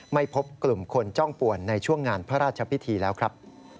ไม่พบกลุ่มคนจ้องป่วนในช่วงงานพระราชพิธีแล้วครับ